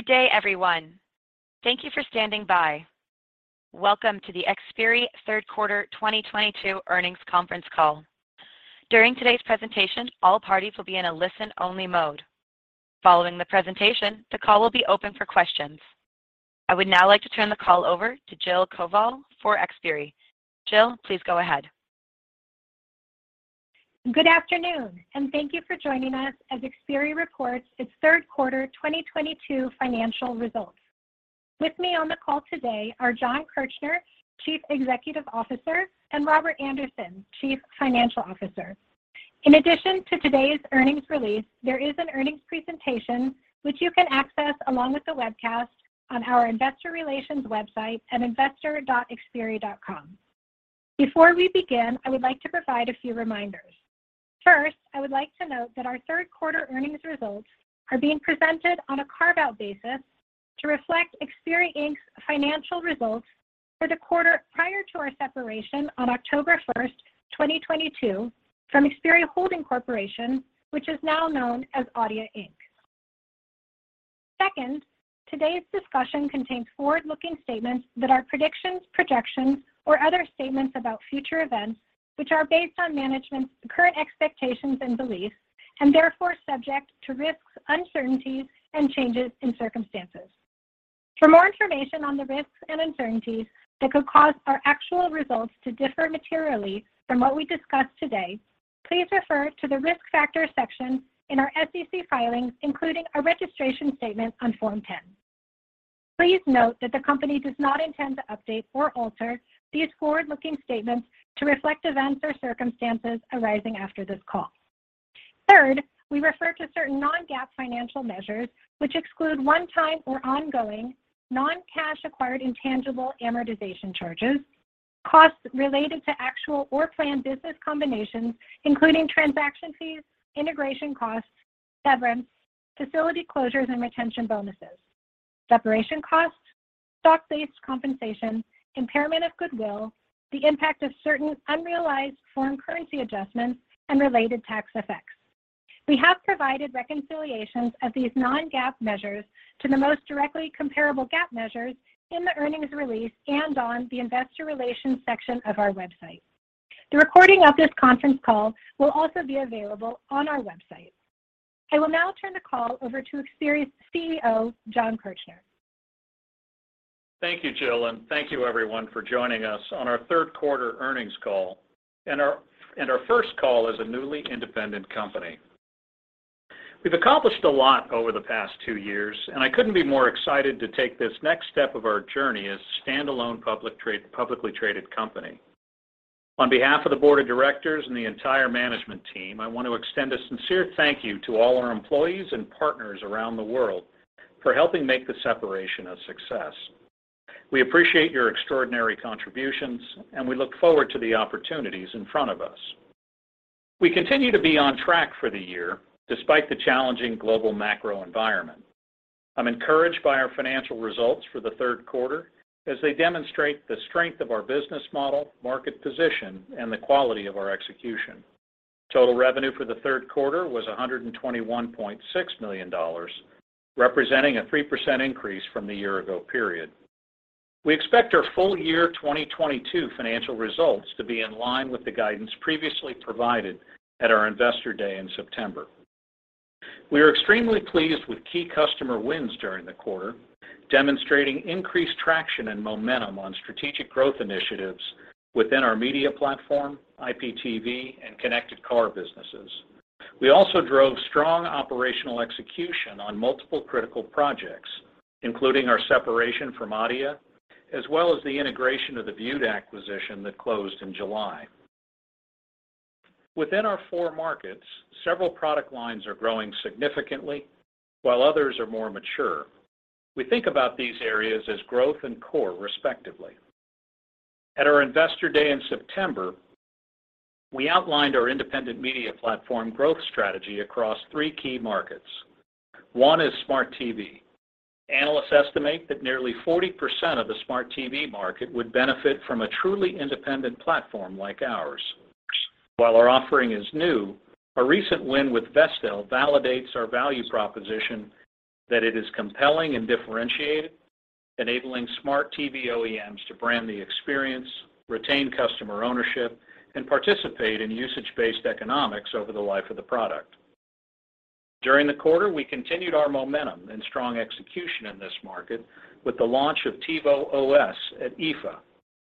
Good day, everyone. Thank you for standing by. Welcome to the Xperi third quarter 2022 earnings conference call. During today's presentation, all parties will be in a listen-only mode. Following the presentation, the call will be open for questions. I would now like to turn the call over to Jill Koval for Xperi. Jill, please go ahead. Good afternoon, and thank you for joining us as Xperi reports its third quarter 2022 financial results. With me on the call today are Jon Kirchner, Chief Executive Officer, and Robert Andersen, Chief Financial Officer. In addition to today's earnings release, there is an earnings presentation which you can access along with the webcast on our investor relations website at investor.xperi.com. Before we begin, I would like to provide a few reminders. First, I would like to note that our third quarter earnings results are being presented on a carve-out basis to reflect Xperi Inc.'s financial results for the quarter prior to our separation on October 1st, 2022 from Xperi Holding Corporation, which is now known as Adeia Inc. Second, today's discussion contains forward-looking statements that are predictions, projections, or other statements about future events, which are based on management's current expectations and beliefs and therefore subject to risks, uncertainties, and changes in circumstances. For more information on the risks and uncertainties that could cause our actual results to differ materially from what we discuss today, please refer to the Risk Factors section in our SEC filings, including our registration statement on Form 10. Please note that the company does not intend to update or alter these forward-looking statements to reflect events or circumstances arising after this call. Third, we refer to certain non-GAAP financial measures which exclude one-time or ongoing non-cash acquired intangible amortization charges, costs related to actual or planned business combinations, including transaction fees, integration costs, severance, facility closures, and retention bonuses, separation costs, stock-based compensation, impairment of goodwill, the impact of certain unrealized foreign currency adjustments, and related tax effects. We have provided reconciliations of these non-GAAP measures to the most directly comparable GAAP measures in the earnings release and on the Investor Relations section of our website. The recording of this conference call will also be available on our website. I will now turn the call over to Xperi's CEO, Jon Kirchner. Thank you, Jill, and thank you everyone for joining us on our third quarter earnings call and our first call as a newly independent company. We've accomplished a lot over the past two years, and I couldn't be more excited to take this next step of our journey as a standalone publicly traded company. On behalf of the board of directors and the entire management team, I want to extend a sincere thank you to all our employees and partners around the world for helping make the separation a success. We appreciate your extraordinary contributions, and we look forward to the opportunities in front of us. We continue to be on track for the year despite the challenging global macro environment. I'm encouraged by our financial results for the third quarter as they demonstrate the strength of our business model, market position, and the quality of our execution. Total revenue for the third quarter was $121.6 million, representing a 3% increase from the year ago period. We expect our full year 2022 financial results to be in line with the guidance previously provided at our Investor Day in September. We are extremely pleased with key customer wins during the quarter, demonstrating increased traction and momentum on strategic growth initiatives within our media platform, IPTV, and Connected Car businesses. We also drove strong operational execution on multiple critical projects, including our separation from Adeia, as well as the integration of the Vewd acquisition that closed in July. Within our four markets, several product lines are growing significantly, while others are more mature. We think about these areas as growth and core, respectively. At our Investor Day in September, we outlined our independent media platform growth strategy across three key markets. One is smart TV. Analysts estimate that nearly 40% of the smart TV market would benefit from a truly independent platform like ours. While our offering is new, a recent win with Vestel validates our value proposition that it is compelling and differentiated, enabling smart TV OEMs to brand the experience, retain customer ownership, and participate in usage-based economics over the life of the product. During the quarter, we continued our momentum and strong execution in this market with the launch of TiVo OS at IFA,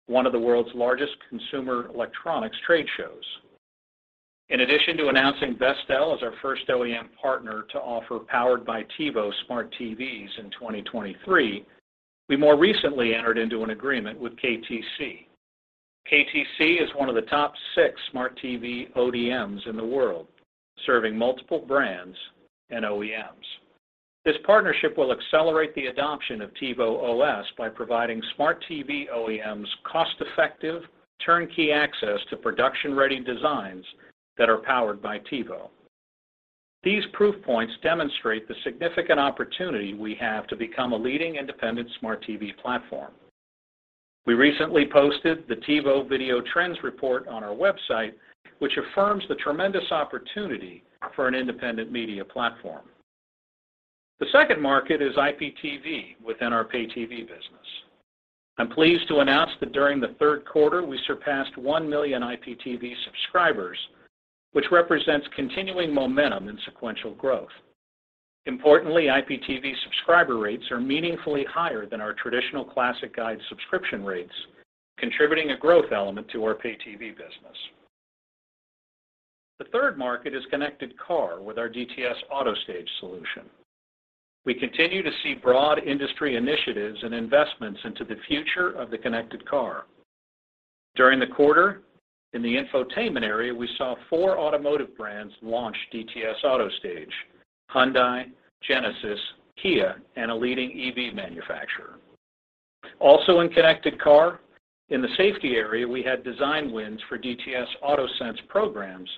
one of the world's largest consumer electronics trade shows. In addition to announcing Vestel as our first OEM partner to offer Powered by TiVo smart TVs in 2023, we more recently entered into an agreement with KTC. KTC is one of the top six smart TV ODMs in the world, serving multiple brands and OEMs. This partnership will accelerate the adoption of TiVo OS by providing smart TV OEMs cost-effective, turnkey access to production-ready designs that are powered by TiVo. These proof points demonstrate the significant opportunity we have to become a leading independent smart TV platform. We recently posted the TiVo Video Trends Report on our website, which affirms the tremendous opportunity for an independent media platform. The second market is IPTV within our pay TV business. I'm pleased to announce that during the third quarter, we surpassed 1 million IPTV subscribers, which represents continuing momentum in sequential growth. Importantly, IPTV subscriber rates are meaningfully higher than our traditional Classic Guides subscription rates, contributing a growth element to our pay TV business. The third market is Connected Car with our DTS AutoStage solution. We continue to see broad industry initiatives and investments into the future of the Connected Car. During the quarter, in the infotainment area, we saw four automotive brands launch DTS AutoStage: Hyundai, Genesis, Kia and a leading EV manufacturer. Also in Connected Car, in the safety area, we had design wins for DTS AutoSense programs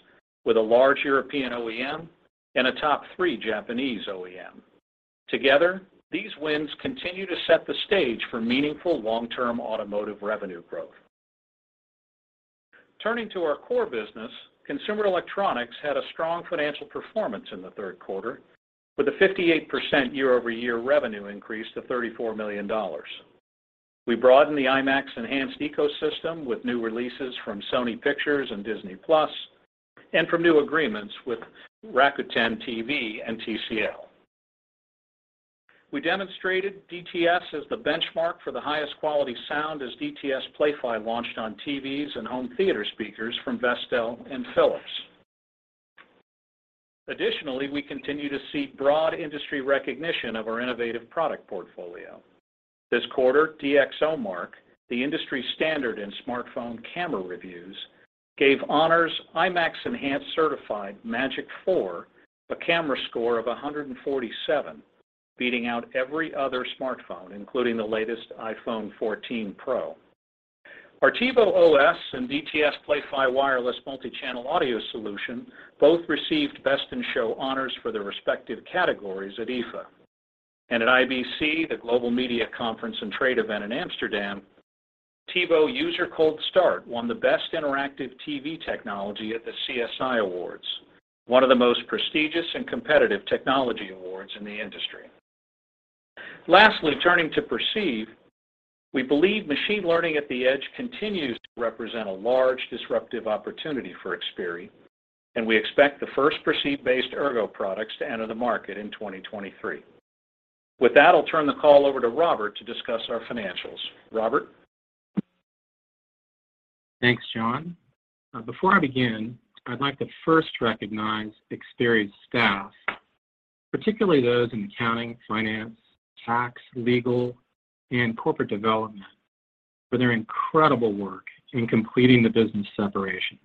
with a large European OEM and a top three Japanese OEM. Together, these wins continue to set the stage for meaningful long-term automotive revenue growth. Turning to our core business, Consumer Electronics had a strong financial performance in the third quarter with a 58% year-over-year revenue increase to $34 million. We broadened the IMAX Enhanced ecosystem with new releases from Sony Pictures and Disney+, and from new agreements with Rakuten TV and TCL. We demonstrated DTS as the benchmark for the highest quality sound as DTS Play-Fi launched on TVs and home theater speakers from Vestel and Philips. Additionally, we continue to see broad industry recognition of our innovative product portfolio. This quarter, DXOMARK, the industry standard in smartphone camera reviews, gave Honor's IMAX Enhanced certified Magic4 a camera score of 147, beating out every other smartphone, including the latest iPhone 14 Pro. Our TiVo OS and DTS Play-Fi wireless multi-channel audio solution both received Best in Show honors for their respective categories at IFA. At IBC, the Global Media Conference and Trade Event in Amsterdam, TiVo User Cold Start won the Best Interactive TV Technology at the CSI Awards, one of the most prestigious and competitive technology awards in the industry. Lastly, turning to Perceive, we believe machine learning at the edge continues to represent a large disruptive opportunity for Xperi, and we expect the first Perceive-based Ergo products to enter the market in 2023. With that, I'll turn the call over to Robert to discuss our financials. Robert? Thanks, Jon. Before I begin, I'd like to first recognize Xperi's staff, particularly those in accounting, finance, tax, legal, and corporate development for their incredible work in completing the business separation.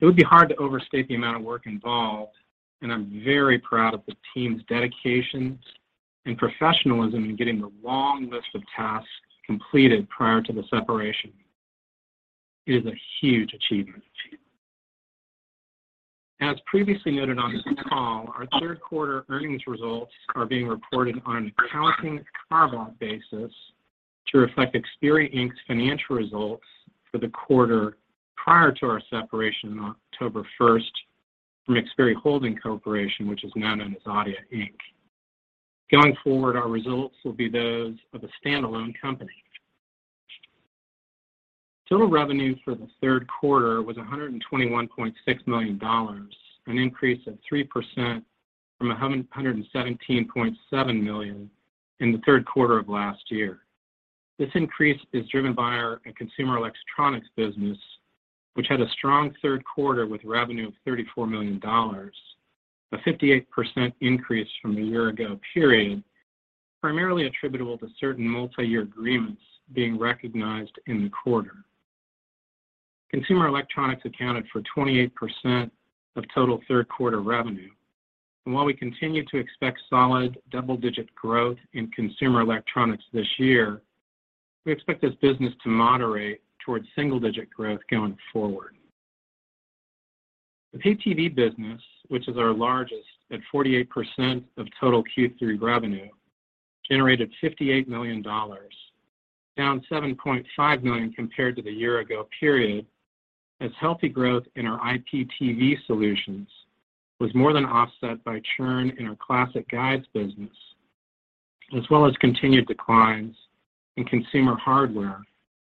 It would be hard to overstate the amount of work involved, and I'm very proud of the team's dedication and professionalism in getting the long list of tasks completed prior to the separation. It is a huge achievement. As previously noted on this call, our third quarter earnings results are being reported on an accounting carve-out basis to reflect Xperi Inc.'s financial results for the quarter prior to our separation on October first from Xperi Holding Corporation, which is now known as Adeia Inc. Going forward, our results will be those of a stand-alone company. Total revenue for the third quarter was $121.6 million, an increase of 3% from $117.7 million in the third quarter of last year. This increase is driven by our Consumer Electronics business, which had a strong third quarter with revenue of $34 million, a 58% increase from the year ago period, primarily attributable to certain multi-year agreements being recognized in the quarter. Consumer Electronics accounted for 28% of total third quarter revenue. While we continue to expect solid double-digit growth in Consumer Electronics this year, we expect this business to moderate towards single-digit growth going forward. The Pay-TV business, which is our largest at 48% of total Q3 revenue, generated $58 million, down $7.5 million compared to the year ago period, as healthy growth in our IPTV solutions was more than offset by churn in our Classic Guides business, as well as continued declines in consumer hardware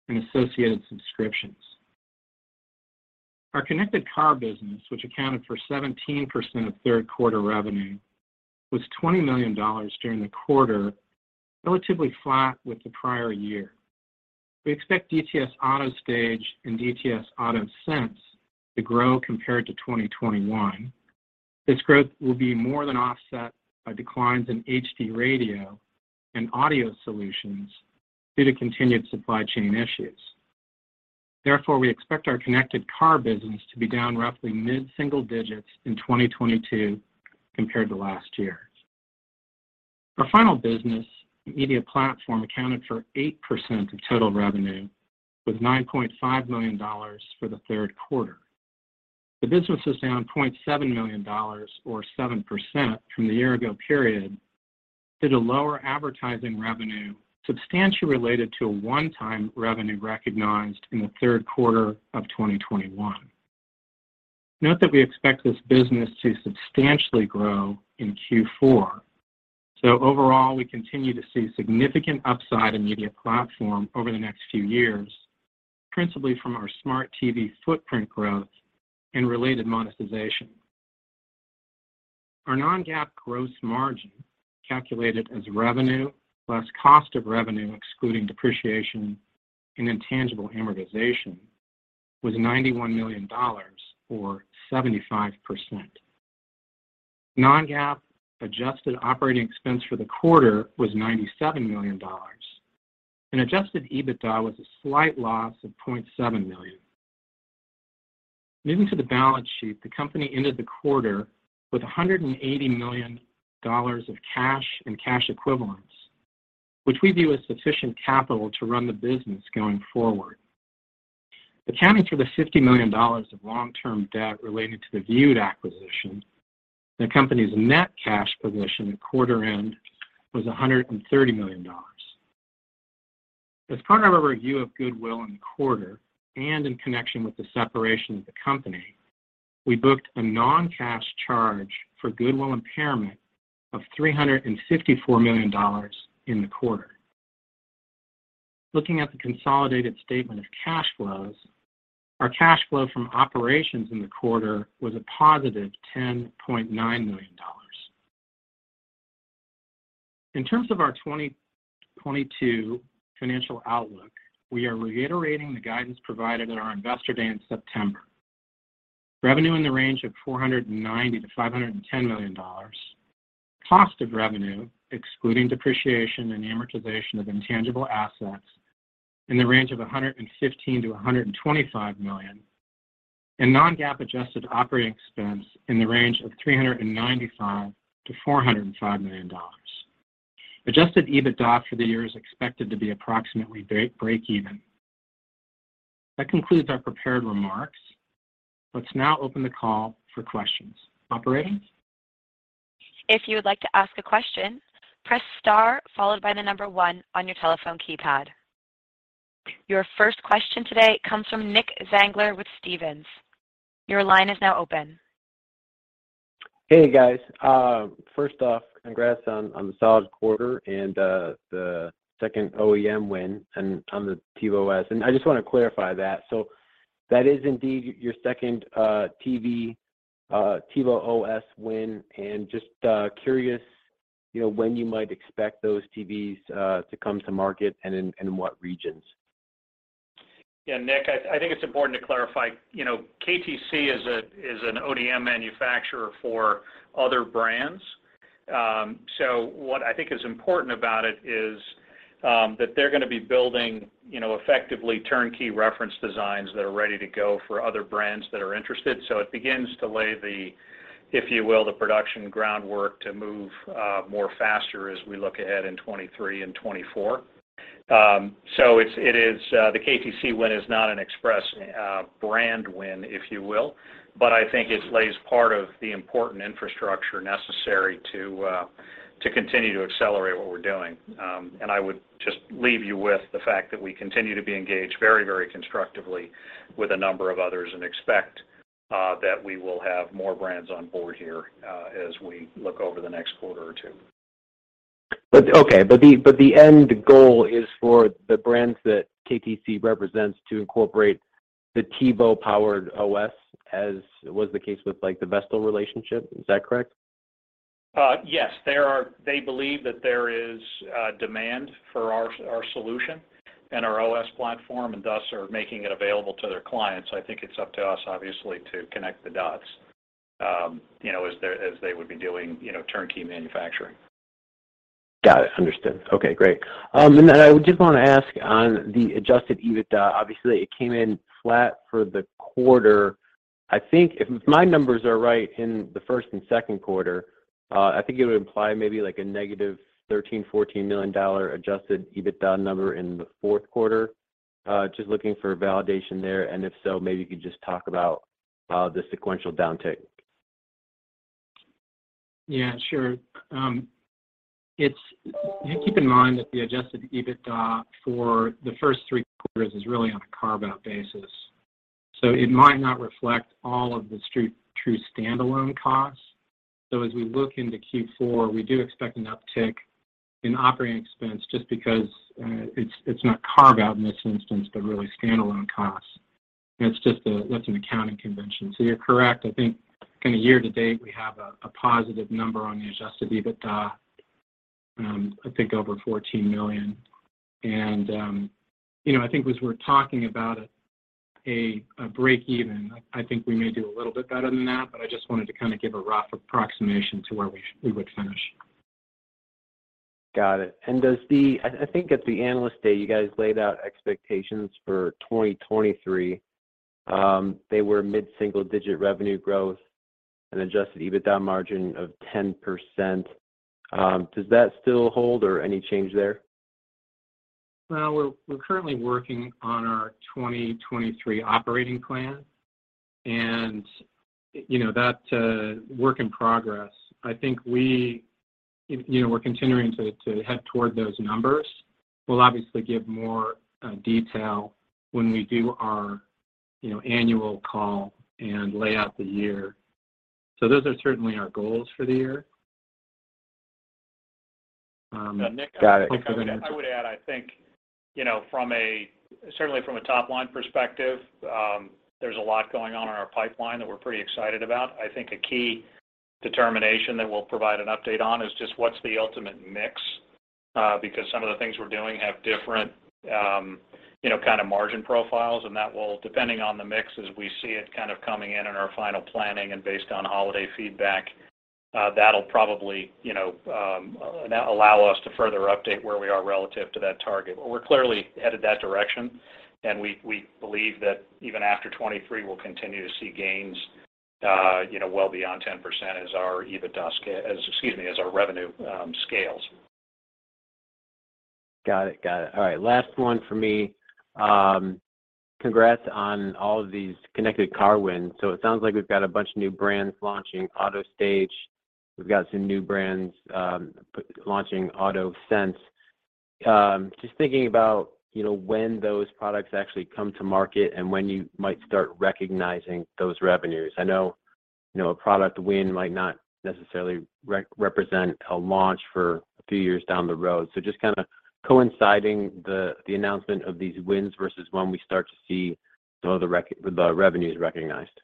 and associated subscriptions. Our Connected Car business, which accounted for 17% of third quarter revenue, was $20 million during the quarter, relatively flat with the prior year. We expect DTS AutoStage and DTS AutoSense to grow compared to 2021. This growth will be more than offset by declines in HD Radio and audio solutions due to continued supply chain issues. Therefore, we expect our Connected Car business to be down roughly mid-single digits in 2022 compared to last year. Our final business, Media Platform, accounted for 8% of total revenue, with $9.5 million for the third quarter. The business was down $0.7 million or 7% from the year ago period due to lower advertising revenue substantially related to a one-time revenue recognized in the third quarter of 2021. Note that we expect this business to substantially grow in Q4. Overall, we continue to see significant upside in Media Platform over the next few years, principally from our SMART TV footprint growth and related monetization. Our non-GAAP gross margin, calculated as revenue plus cost of revenue, excluding depreciation and intangible amortization, was $91 million or 75%. Non-GAAP adjusted operating expense for the quarter was $97 million, and adjusted EBITDA was a slight loss of $0.7 million. Moving to the balance sheet, the company ended the quarter with $180 million of cash and cash equivalents, which we view as sufficient capital to run the business going forward. Accounting for the $50 million of long-term debt related to the Vewd acquisition, the company's net cash position at quarter-end was $130 million. As part of our review of goodwill in the quarter and in connection with the separation of the company, we booked a non-cash charge for goodwill impairment of $354 million in the quarter. Looking at the consolidated statement of cash flows, our cash flow from operations in the quarter was a positive $10.9 million. In terms of our 2022 financial outlook, we are reiterating the guidance provided at our Investor Day in September. Revenue in the range of $490 million-$510 million. Cost of revenue, excluding depreciation and amortization of intangible assets in the range of $115 million-$125 million. Non-GAAP adjusted operating expense in the range of $395 million-$405 million. Adjusted EBITDA for the year is expected to be approximately break even. That concludes our prepared remarks. Let's now open the call for questions. Operator. If you would like to ask a question, press star followed by the number one on your telephone keypad. Your first question today comes from Nicholas Zangler with Stephens. Your line is now open. Hey, guys. First off, congrats on the solid quarter and the second OEM win on the TiVo OS. I just wanna clarify that. That is indeed your second TV TiVo OS win, and just curious, you know, when you might expect those TVs to come to market and in what regions? Yeah, Nick, I think it's important to clarify. You know, KTC is an ODM manufacturer for other brands. What I think is important about it is that they're gonna be building, you know, effectively turnkey reference designs that are ready to go for other brands that are interested. It begins to lay the, if you will, the production groundwork to move more faster as we look ahead in 2023 and 2024. The KTC win is not an Express brand win, if you will. I think it lays part of the important infrastructure necessary to continue to accelerate what we're doing. I would just leave you with the fact that we continue to be engaged very, very constructively with a number of others and expect that we will have more brands on board here as we look over the next quarter or two. The end goal is for the brands that KTC represents to incorporate the TiVo-powered OS, as was the case with, like, the Vestel relationship. Is that correct? Yes. They believe that there is demand for our solution and our OS platform and thus are making it available to their clients. I think it's up to us obviously to connect the dots, you know, as they would be doing, you know, turnkey manufacturing. Got it. Understood. Okay, great. Then I did wanna ask on the adjusted EBITDA. Obviously, it came in flat for the quarter. I think if my numbers are right in the first and second quarter, I think it would imply maybe like a -$13 million-$14 million adjusted EBITDA number in the fourth quarter. Just looking for validation there. If so, maybe you could just talk about the sequential downtick. Yeah, sure. You keep in mind that the adjusted EBITDA for the first three quarters is really on a carve-out basis, so it might not reflect all of the true standalone costs. As we look into Q4, we do expect an uptick in operating expense just because it's not carve-out in this instance, but really standalone costs. It's just that's an accounting convention. You're correct. I think kinda year to date, we have a positive number on the adjusted EBITDA, I think over $14 million. You know, I think as we're talking about a break even, I think we may do a little bit better than that, but I just wanted to kinda give a rough approximation to where we would finish. Got it. I think at the Analyst Day, you guys laid out expectations for 2023. They were mid-single digit revenue growth and adjusted EBITDA margin of 10%. Does that still hold or any change there? Well, we're currently working on our 2023 operating plan, and, you know, that's a work in progress. I think you know, we're continuing to head toward those numbers. We'll obviously give more detail when we do our, you know, annual call and lay out the year. Those are certainly our goals for the year. Got it. Go ahead, Andrew. I would add, I think, you know, certainly from a top-line perspective, there's a lot going on in our pipeline that we're pretty excited about. I think a key determination that we'll provide an update on is just what's the ultimate mix, because some of the things we're doing have different, you know, kind of margin profiles, and that will depending on the mix as we see it kind of coming in in our final planning and based on holiday feedback, that'll probably, you know, allow us to further update where we are relative to that target. We're clearly headed that direction, and we believe that even after 2023, we'll continue to see gains, you know, well beyond 10% as our EBITDA as our revenue scales. Got it. All right. Last one for me. Congrats on all of these Connected Car wins. It sounds like we've got a bunch of new brands launching AutoStage. We've got some new brands launching AutoSense. Just thinking about, you know, when those products actually come to market and when you might start recognizing those revenues. I know, you know, a product win might not necessarily represent a launch for a few years down the road. Just kind of coinciding the announcement of these wins versus when we start to see some of the revenues recognized.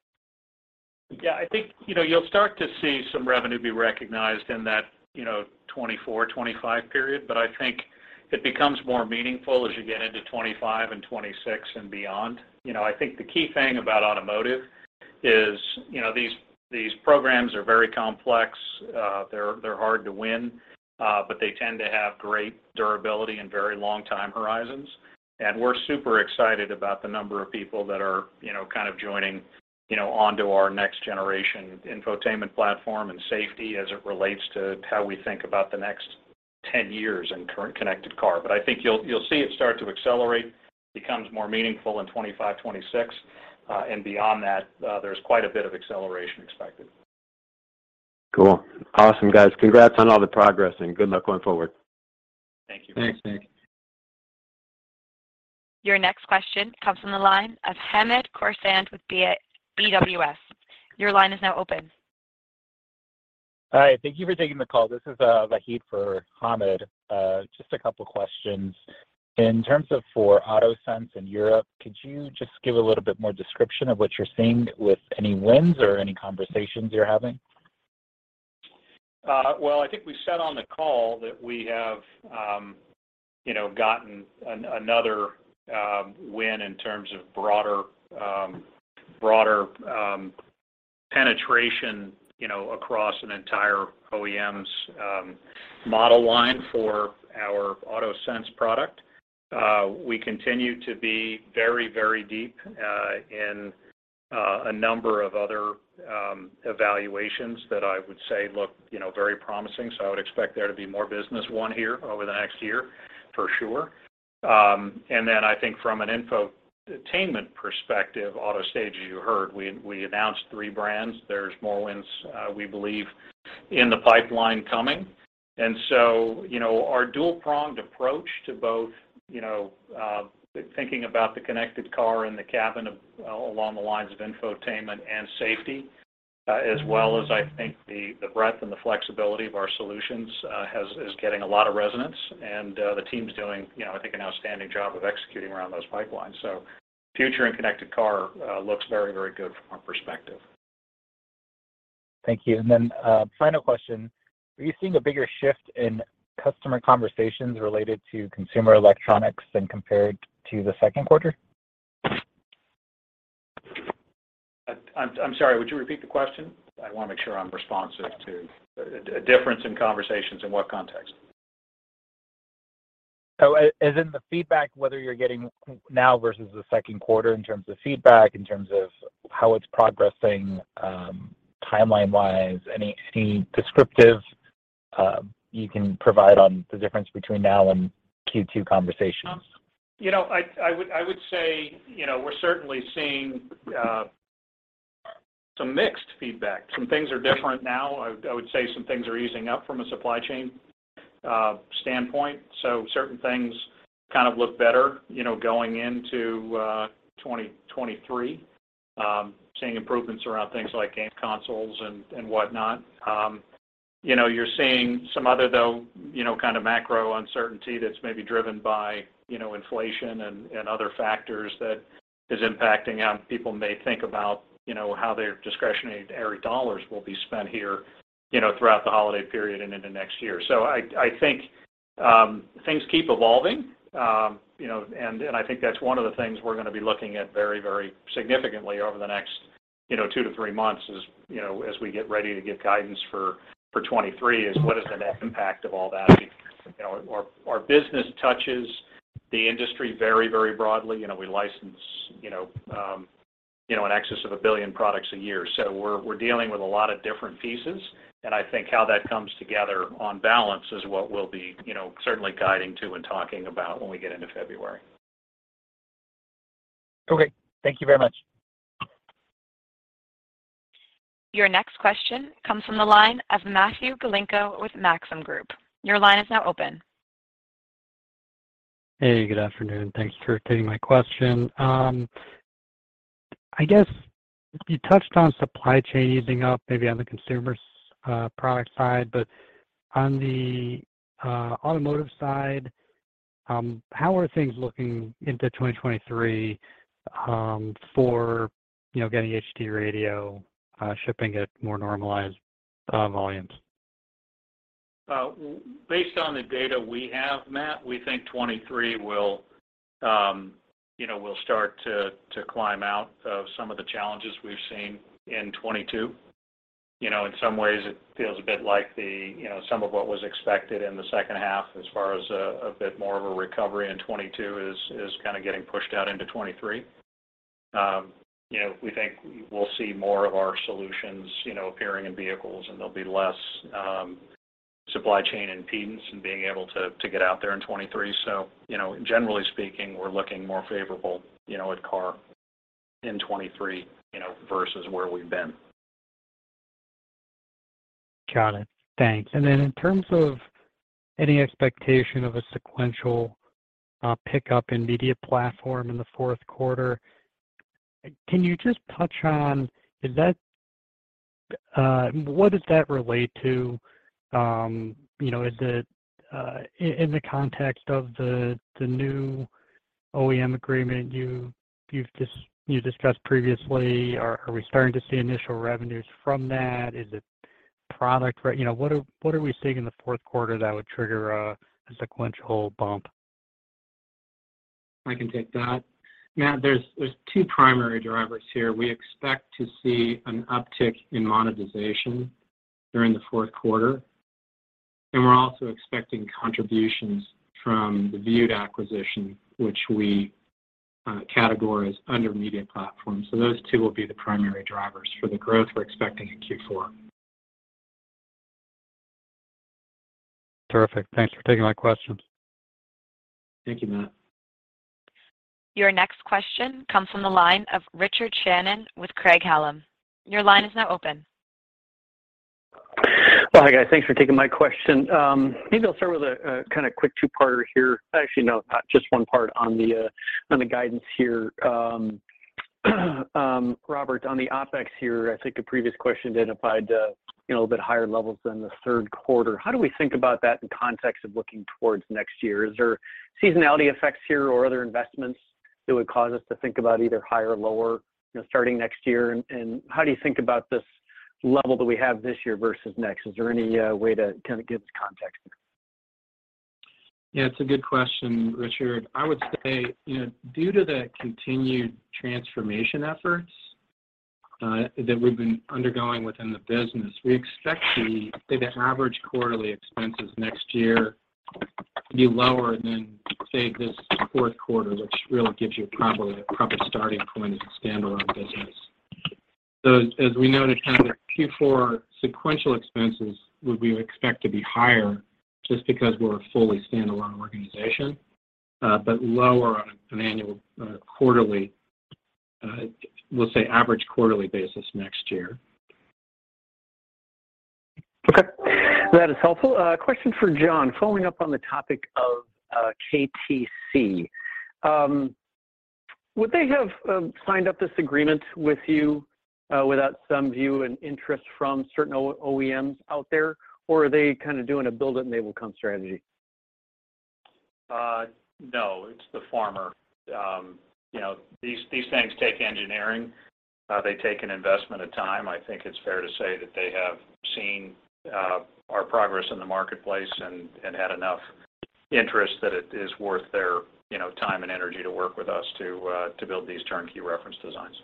Yeah. I think, you know, you'll start to see some revenue be recognized in that, you know, 2024, 2025 period. I think it becomes more meaningful as you get into 2025 and 2026 and beyond. You know, I think the key thing about automotive is, you know, these programs are very complex. They're hard to win, but they tend to have great durability and very long time horizons. We're super excited about the number of people that are, you know, kind of joining, you know, onto our next generation infotainment platform and safety as it relates to how we think about the next ten years in current Connected Car. I think you'll see it start to accelerate, becomes more meaningful in 2025, 2026. And beyond that, there's quite a bit of acceleration expected. Cool. Awesome, guys. Congrats on all the progress, and good luck going forward. Thank you. Thanks, Nick. Your next question comes from the line of Hamed Khorsand with BWS. Your line is now open. All right. Thank you for taking the call. This is Vahid for Hamed. Just a couple questions. In terms of for AutoSense in Europe, could you just give a little bit more description of what you're seeing with any wins or any conversations you're having? Well, I think we said on the call that we have, you know, gotten another win in terms of broader penetration, you know, across an entire OEM's model line for our AutoSense product. We continue to be very deep in a number of other evaluations that I would say look, you know, very promising. I would expect there to be more business won here over the next year, for sure. I think from an infotainment perspective, AutoStage, as you heard, we announced three brands. There's more wins we believe in the pipeline coming. You know, our dual-pronged approach to both, you know, thinking about the Connected Car and the cabin along the lines of infotainment and safety, as well as I think the breadth and the flexibility of our solutions, is getting a lot of resonance. The team's doing, you know, I think, an outstanding job of executing around those pipelines. Future in Connected Car looks very, very good from our perspective. Thank you. Final question. Are you seeing a bigger shift in customer conversations related to consumer electronics than compared to the second quarter? I'm sorry. Would you repeat the question? I wanna make sure I'm responsive to a difference in conversations in what context? As in the feedback whether you're getting now versus the second quarter in terms of feedback, in terms of how it's progressing, timeline-wise. Any descriptive you can provide on the difference between now and Q2 conversations? You know, I would say, you know, we're certainly seeing some mixed feedback. Some things are different now. I would say some things are easing up from a supply chain standpoint. Certain things kind of look better, you know, going into 2023. Seeing improvements around things like game consoles and whatnot. You know, you're seeing some other, though, you know, kind of macro uncertainty that's maybe driven by, you know, inflation and other factors that is impacting how people may think about, you know, how their discretionary dollars will be spent here, you know, throughout the holiday period and into next year. I think things keep evolving. You know, I think that's one of the things we're gonna be looking at very, very significantly over the next, you know, two to three months, as we get ready to give guidance for 2023, what is the net impact of all that. I mean, you know, our business touches the industry very, very broadly. You know, we license, you know, in excess of a billion products a year. We're dealing with a lot of different pieces, and I think how that comes together on balance is what we'll be, you know, certainly guiding to and talking about when we get into February. Okay. Thank you very much. Your next question comes from the line of Matthew Galinko with Maxim Group. Your line is now open. Hey, good afternoon. Thanks for taking my question. I guess you touched on supply chain easing up maybe on the consumer product side. On the automotive side, how are things looking into 2023, for you know, getting HD Radio shipping at more normalized volumes? Based on the data we have, Matt, we think 2023 will, you know, start to climb out of some of the challenges we've seen in 2022. You know, in some ways it feels a bit like the, you know, some of what was expected in the second half as far as a bit more of a recovery in 2022 is kind of getting pushed out into 2023. You know, we think we'll see more of our solutions, you know, appearing in vehicles, and there'll be less supply chain impedance in being able to get out there in 2023. You know, generally speaking, we're looking more favorable, you know, at car in 2023, you know, versus where we've been. Got it. Thanks. In terms of any expectation of a sequential pickup in media platform in the fourth quarter, can you just touch on what that relates to? You know, is it in the context of the new OEM agreement you've discussed previously, are we starting to see initial revenues from that? You know, what are we seeing in the fourth quarter that would trigger a sequential bump? I can take that. Matt, there's two primary drivers here. We expect to see an uptick in monetization during the fourth quarter, and we're also expecting contributions from the Vewd acquisition, which we categorize as under media platform. Those two will be the primary drivers for the growth we're expecting in Q4. Terrific. Thanks for taking my questions. Thank you, Matt. Your next question comes from the line of Richard Shannon with Craig-Hallum. Your line is now open. Well, hi, guys. Thanks for taking my question. Maybe I'll start with a kind of quick two-parter here. Actually, no, just one part on the guidance here. Robert, on the OpEx here, I think a previous question identified, you know, a bit higher levels than the third quarter. How do we think about that in context of looking towards next year? Is there seasonality effects here or other investments that would cause us to think about either higher or lower, you know, starting next year? How do you think about this level that we have this year versus next? Is there any way to kind of give us context there? Yeah, it's a good question, Richard. I would say, you know, due to the continued transformation efforts that we've been undergoing within the business, we expect the average quarterly expenses next year to be lower than, say, this fourth quarter, which really gives you probably a proper starting point as a standalone business. As we noted, kind of the Q4 sequential expenses would be higher just because we're a fully standalone organization, but lower on an average quarterly basis next year. Okay. That is helpful. Question for John. Following up on the topic of KTC. Would they have signed up this agreement with you without some view and interest from certain OEMs out there, or are they kind of doing a build it and they will come strategy? No, it's the former. You know, these things take engineering. They take an investment of time. I think it's fair to say that they have seen our progress in the marketplace and had enough interest that it is worth their, you know, time and energy to work with us to build these turnkey reference designs.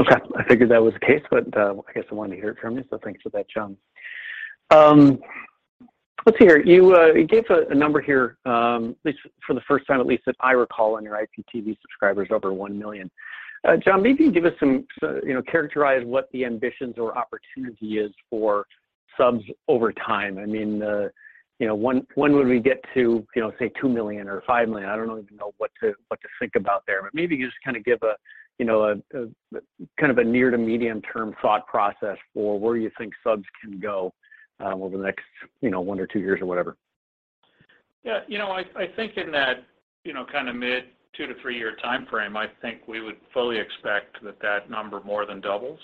Okay. I figured that was the case, but I guess I wanted to hear it from you, so thanks for that, John. Let's see here. You gave a number here, at least for the first time at least that I recall on your IPTV subscribers over 1 million. John, maybe give us some, you know, characterize what the ambitions or opportunity is for subs over time. I mean, you know, when would we get to, you know, say 2 million or 5 million? I don't even know what to think about there. But maybe you just kind of give a, you know, a kind of a near to medium term thought process for where you think subs can go, over the next, you know, one or two years or whatever. Yeah. You know, I think in that, you know, kind of mid two to three-year timeframe, I think we would fully expect that number more than doubles.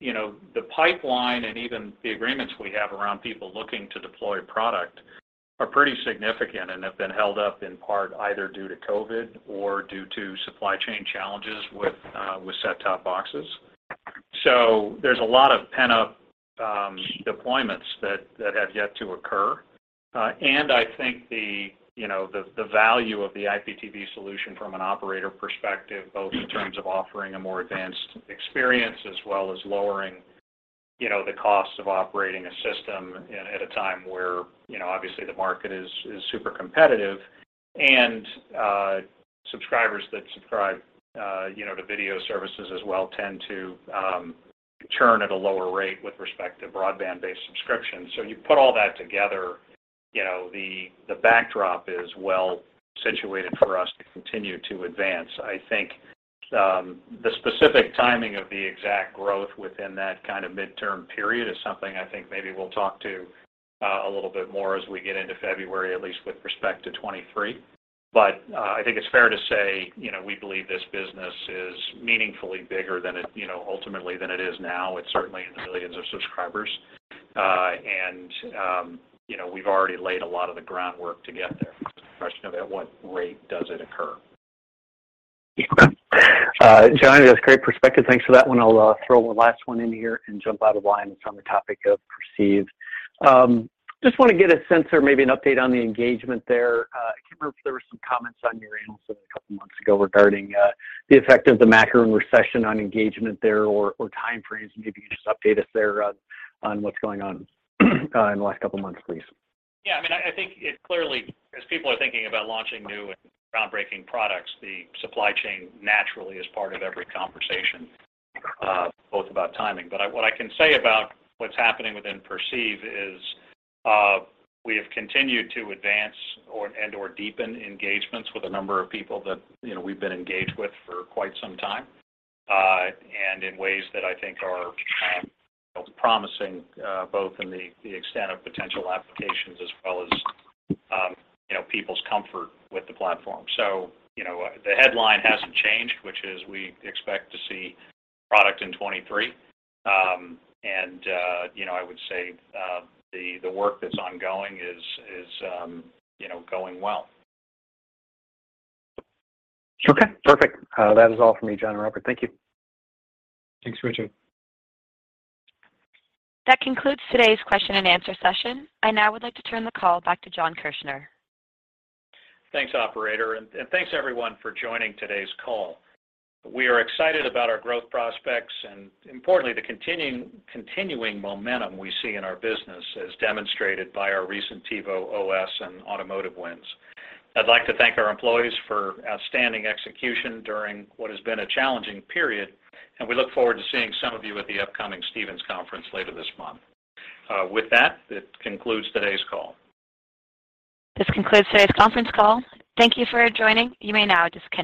You know, the pipeline and even the agreements we have around people looking to deploy product are pretty significant and have been held up in part either due to COVID or due to supply chain challenges with set-top boxes. There's a lot of pent-up deployments that have yet to occur. I think the value of the IPTV solution from an operator perspective, both in terms of offering a more advanced experience as well as lowering, you know, the cost of operating a system and at a time where, you know, obviously the market is super competitive. Subscribers that subscribe, you know, to video services as well tend to churn at a lower rate with respect to broadband-based subscriptions. You put all that together, you know, the backdrop is well situated for us to continue to advance. I think the specific timing of the exact growth within that kind of midterm period is something I think maybe we'll talk to a little bit more as we get into February, at least with respect to 2023. I think it's fair to say, you know, we believe this business is meaningfully bigger than it, you know, ultimately than it is now. It's certainly in the millions of subscribers. You know, we've already laid a lot of the groundwork to get there. Question of at what rate does it occur? John, that's great perspective. Thanks for that one. I'll throw one last one in here and jump out of line. It's on the topic of Perceive. Just wanna get a sense or maybe an update on the engagement there. I can't remember if there were some comments on your end sort of a couple months ago regarding the effect of the macro and recession on engagement there or time frames. Maybe you can just update us there on what's going on in the last couple of months, please. Yeah. I mean, I think it clearly as people are thinking about launching new and groundbreaking products, the supply chain naturally is part of every conversation, both about timing. What I can say about what's happening within Perceive is, we have continued to advance and/or deepen engagements with a number of people that, you know, we've been engaged with for quite some time, and in ways that I think are promising, both in the extent of potential applications as well as, you know, people's comfort with the platform. You know, the headline hasn't changed, which is we expect to see product in 2023. You know, I would say, the work that's ongoing is going well. Okay, perfect. That is all for me, Jon and Robert. Thank you. Thanks, Richard. That concludes today's question and answer session. I now would like to turn the call back to Jon Kirchner. Thanks, operator. Thanks everyone for joining today's call. We are excited about our growth prospects, and importantly, the continuing momentum we see in our business as demonstrated by our recent TiVo OS and automotive wins. I'd like to thank our employees for outstanding execution during what has been a challenging period, and we look forward to seeing some of you at the upcoming Stephens Conference later this month. With that, it concludes today's call. This concludes today's conference call. Thank you for joining. You may now disconnect.